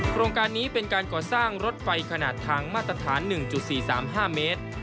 โครงการนี้เป็นการก่อสร้างรถไฟขนาดทางมาตรฐาน๑๔๓๕เมตร